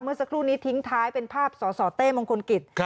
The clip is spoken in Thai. เมื่อสักครู่นี้ทิ้งท้ายเป็นภาพสสเต้มงคลกิจ